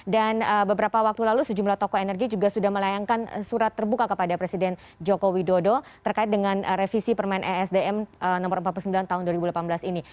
dan beberapa waktu lalu sejumlah toko energi juga sudah melayangkan surat terbuka kepada presiden joko widodo terkait dengan revisi permainan esdm nomor empat puluh sembilan tahun dua ribu delapan belas ini